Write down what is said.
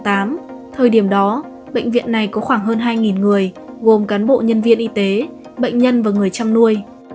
thời điểm đó bệnh viện này có khoảng hơn hai người gồm cán bộ nhân viên y tế bệnh nhân và người chăm nuôi